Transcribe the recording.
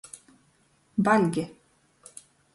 Baļge.